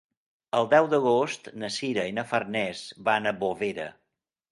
El deu d'agost na Sira i na Farners van a Bovera.